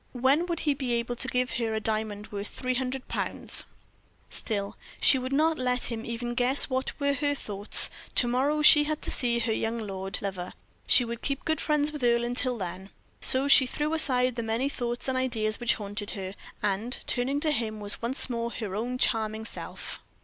When would he be able to give her a diamond worth three hundred pounds? Still, she would not let him even guess what were her thoughts; to morrow she had to see her young lord lover she would keep good friends with Earle till then; so she threw aside the many thoughts and ideas which haunted her, and turning to him, was once more her own charming self.